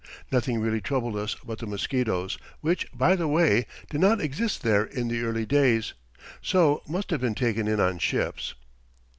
Nothing really troubled us but the mosquitoes, which, by the way, did not exist there in the early days, so must have been taken in on ships.